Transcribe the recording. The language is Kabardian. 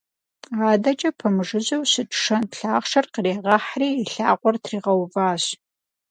Адэкӏэ пэмыжыжьэу щыт шэнт лъахъшэр къригъэхьри и лъакъуэр тригъэуващ.